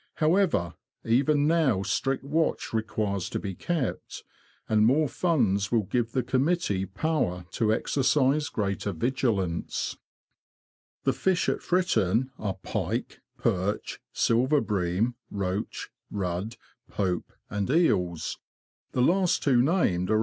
However, even now strict watch requires to be kept, and more funds will give the committee power to exercise greater vigilance. The fish at Fritton are pike, perch, silver bream, roach, rudd, pope, and eels ; the last two named are 32 THE LAND OF THE BROADS.